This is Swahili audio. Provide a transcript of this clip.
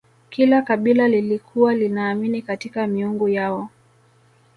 kila kabila lilikuwa linaamini katika miungu yao